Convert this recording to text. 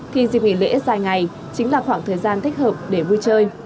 thì dịp nghỉ lễ dài ngày chính là khoảng thời gian thích hợp để vui chơi